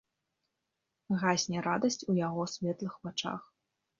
Гасне радасць у яго светлых вачах.